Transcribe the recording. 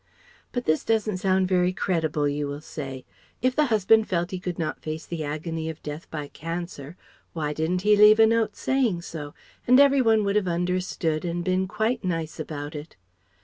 [But this doesn't sound very credible, you will say. "If the husband felt he could not face the agony of death by cancer, why didn't he leave a note saying so, and every one would have understood and been quite 'nice' about it?"